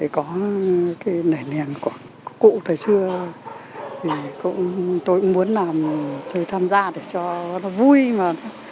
có cái nền nền của cụ thời xưa thì tôi cũng muốn làm tôi tham gia để cho nó vui mà